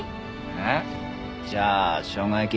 えっ？じゃあしょうが焼き。